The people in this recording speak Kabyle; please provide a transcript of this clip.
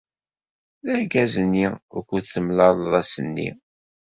D argaz-nni ukud temlaleḍ ass-nni.